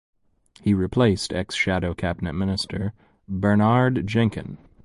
He replaced ex-shadow cabinet minister Bernard Jenkin.